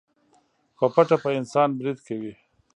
په پټه په انسان بريد کوي.